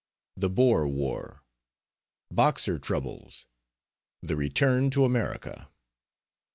THE BOER WAR. BOXER TROUBLES. THE RETURN TO AMERICA.